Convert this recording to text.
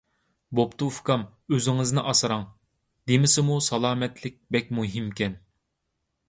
بوپتۇ ئۇكام، ئۆزىڭىزنى ئاسراڭ. دېمىسىمۇ سالامەتلىك بەك مۇھىمكەن.